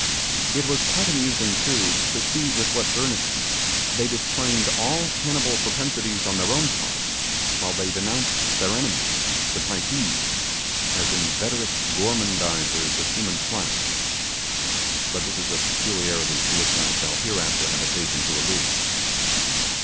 It was quite amusing, too, to see with what earnestness they disclaimed all cannibal propensities on their own part, while they denounced their enemies the Typees as inveterate gourmandizers of human flesh; but this is a peculiarity to which I shall hereafter have occasion to allude.